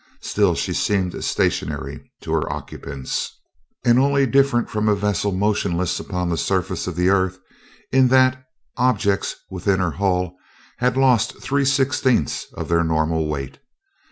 Still she seemed stationary to her occupants, and only different from a vessel motionless upon the surface of the Earth in that objects within her hull had lost three sixteenths of their normal weight.